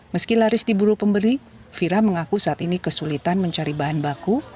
meski laris diburu pembeli fira mengaku saat ini kesulitan mencari bahan baku